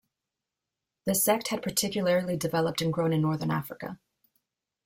The sect had particularly developed and grown in northern Africa.